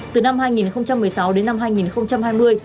từ năm hai nghìn một mươi sáu đến năm hai nghìn hai mươi